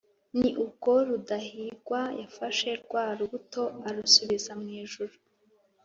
ni uko rudahigwa yafashe rwa rubuto arusubiza mwijuru,